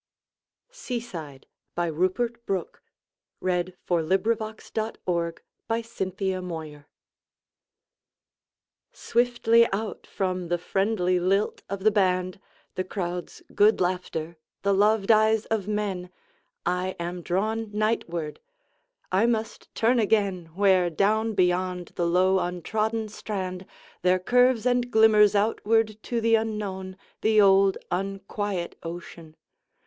D Rupert Brooke (1887–1915). Collected Poems. 1916. I. 1905–1908 8. Seaside SWIFTLY out from the friendly lilt of the band, The crowd's good laughter, the loved eyes of men,I am drawn nightward; I must turn againWhere, down beyond the low untrodden strand, There curves and glimmers outward to the unknownThe old unquiet ocean.